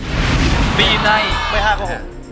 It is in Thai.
มีกี่รูถึงจะพิเศษพิษดาลมากกว่าเครื่องเปล่าชนิดอื่น